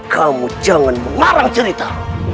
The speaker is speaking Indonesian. kamu jangan mengarang cerita